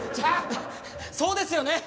そうですよね。